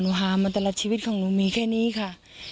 หนูหามาแต่ละชีวิตของหนูมีแค่นี้ค่ะ